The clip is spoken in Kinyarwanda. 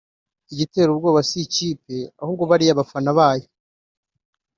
Igitera ubwoba si ikipe ahubwo bariya bafana bayo